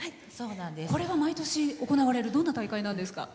これは毎年行われるどんな大会なんですか？